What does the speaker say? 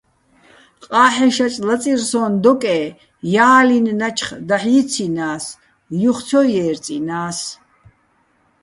ყა́ჰ̦ეშაჭ ლაწირ სო́ჼ დოკე́, ჲა́ლინი̆ ნაჩხ დაჰ̦ ჲიცჲინა́ს, ჲუხ ცო ჲე́რწჲინა́ს.